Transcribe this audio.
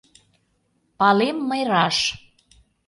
Палем мый раш.